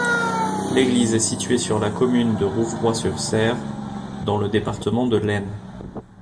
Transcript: L'église est située sur la commune de Rouvroy-sur-Serre, dans le département de l'Aisne.